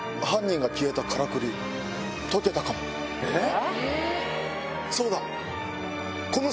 えっ？